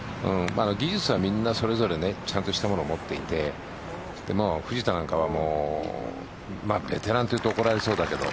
技術はみんなそれぞれちゃんとしたものを持っていて藤田なんかはベテランというと怒られそうだけど